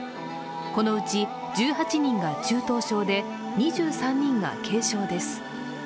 このうち、１８人が中等症で、２３人が軽症です。